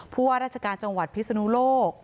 ว่าราชการจังหวัดพิศนุโลก